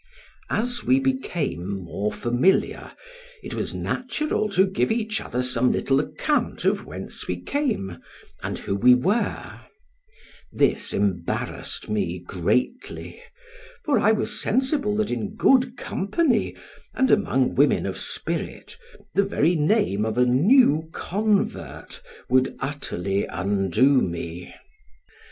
As we became more familiar, it was natural to give each other some little account of whence we came and who we were: this embarrassed me greatly, for I was sensible that in good company and among women of spirit, the very name of a new convert would utterly undo me.